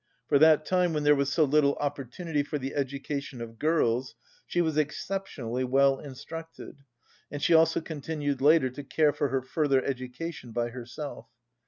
For that time, when there was so little opportunity for the education of girls, she was exceptionally well instructed, and she also continued later to care for her further education by herself.